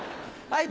はい。